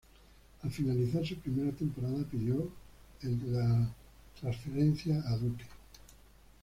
Al finalizar su primera temporada pidió el transfer a Duke.